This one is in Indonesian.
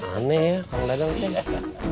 aneh ya kang dadang sih